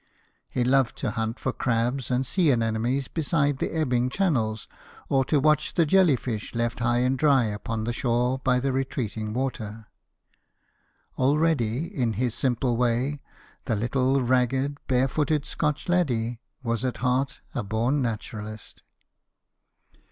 He loved to hunt for crabs and sea anemones beside the ebbing channels, or to watch the jelly fish left high and dry upon the shore by the retreating water. Already, in his simple way, the little ragged bare footed Scotch laddie was at heart a born naturalist.